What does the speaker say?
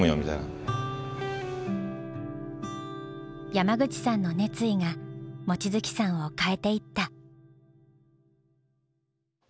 山口さんの熱意が望月さんを変えていった。